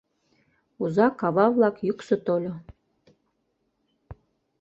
Узак-ава-влак йӱксӧ тольо.